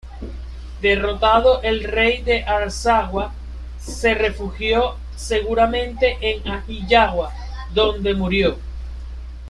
Derrotado el rey de Arzawa, se refugió seguramente en Ahhiyawa donde murió.